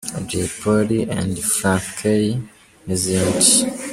Jay Polly & Franc Kay n’izindi.